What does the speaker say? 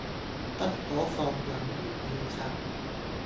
不可放任胡亂刷